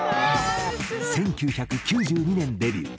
１９９２年デビュー。